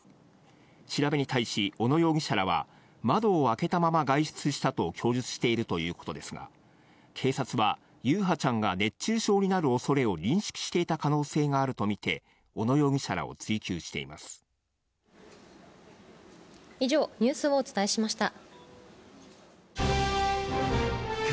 調べに対し、小野容疑者らは窓を開けたまま外出したと供述しているということですが、警察は、優陽ちゃんが熱中症になるおそれを認識していた可能性があると見て、以上、ニュースをお伝えしました。